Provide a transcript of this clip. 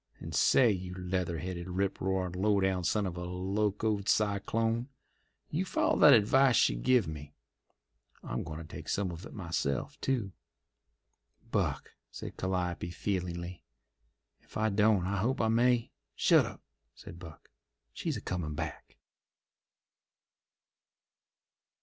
And say, you leather headed, rip roarin', low down son of a locoed cyclone, you follow that advice she give me! I'm goin' to take some of it myself, too." "Buck," said Calliope feelingly, "ef I don't I hope I may—" "Shut up," said Buck. "She's a comin' back."